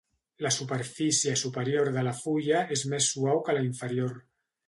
La superfície superior de la fulla és més suau que la inferior.